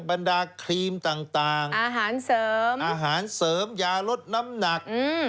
บรรดาครีมต่างอาหารเสริมยาลดน้ำหนัก